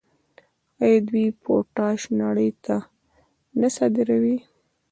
آیا دوی پوټاش نړۍ ته نه صادروي؟